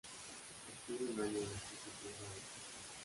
Estuvo un año en la institución jarocha.